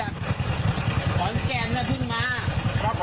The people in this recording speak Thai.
วันแรกด้วยตรงคืนเข้าไปลังค์